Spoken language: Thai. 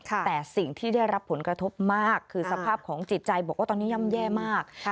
แต่สิ่งที่ได้รับผลกระทบมากคือสภาพของจิตใจบอกว่าตอนนี้ย่ำแย่มาก